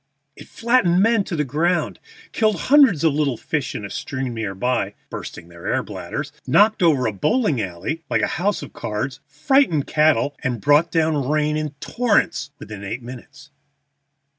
It flattened men to the ground, killed hundreds of little fish in a stream near by (bursting their air bladders), knocked over a bowling alley like a house of cards, frightened cattle, and brought down rain in torrents within eight minutes.